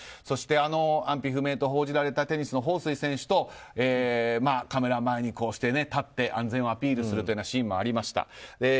そして安否不明と報じられたテニスのホウ・スイ選手とカメラ前に立って安全をアピールするというシーンもありました。